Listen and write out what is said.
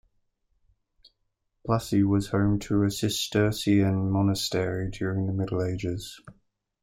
Plasy was home to a Cistercian monastery during the Middle Ages.